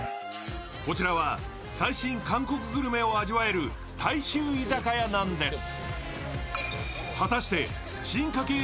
こちらは最新韓国グルメを味わえる大衆居酒屋なんです。